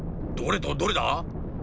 どれとどれだ？